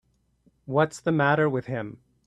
What's the matter with him.